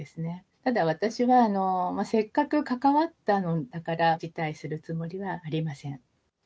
ただ、私はせっかく関わったのだから、辞退するつもりはありません。